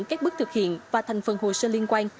các bước thực hiện và thành phần hồ sơ liên quan